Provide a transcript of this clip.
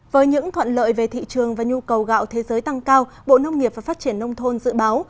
với những thuận lợi về thị trường và nhu cầu gạo thế giới tăng cao bộ nông nghiệp và phát triển nông thôn dự báo